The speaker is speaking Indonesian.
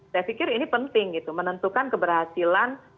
saya pikir ini penting gitu menentukan keberhasilan